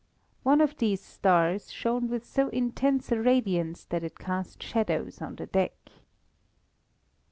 One of these stars shone with so intense a radiance that it cast shadows on the deck.